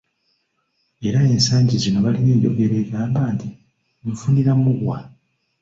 Era ensangi zino balina enjogera egamba nti, "Nfuniramu wa?"